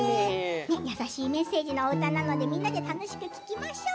優しいメッセージの歌なのでみんなで楽しく聴きましょう。